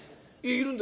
「いるんだ。